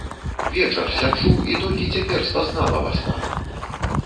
Вечар сяджу і толькі цяпер спазнала васпана.